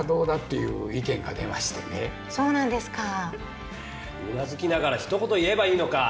うなずきながらひと言言えばいいのか。